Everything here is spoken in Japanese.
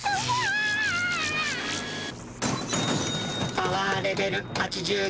「パワーレベル８９」。